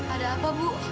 ada apa bu